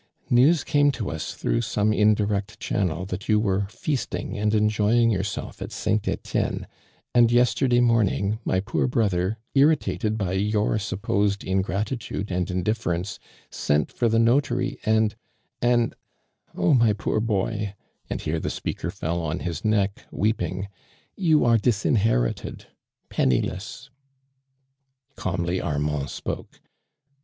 News came to us through some indirect channel that you were feasting and enjoy ing yourself at St. Etienne, and, yesterday morning, my poor brother, irritated by your supposed ingratitude and indifference, sent for the notary, anil — and — oh, my poor boy," and here the speaker fell on his neck, weeping, " you are disinherited, pen niless!" Calmly Armvnd spoke.